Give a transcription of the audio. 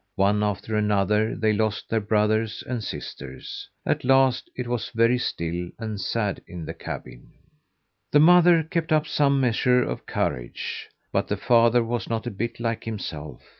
One after another they lost their brothers and sisters. At last it was very still and sad in the cabin. The mother kept up some measure of courage, but the father was not a bit like himself.